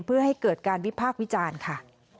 เพื่อให้เกิดการวิพากษ์วิจารณ์ค่ะ